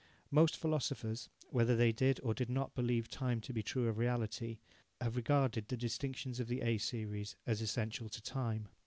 Most philosophers, whether they did or did not believe time to be true of reality, have regarded the distinctions of the A series as essential to time.